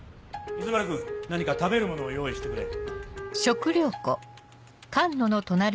伊豆丸君何か食べるものを用意してくれ。